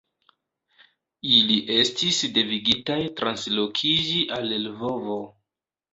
Ili estis devigitaj translokiĝi al Lvovo.